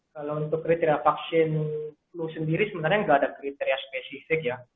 kalau untuk kriteria vaksin flu sendiri sebenarnya nggak ada kriteria spesifik ya